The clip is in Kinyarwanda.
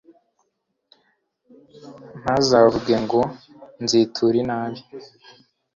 ntuzavuge ngo nzitura inabi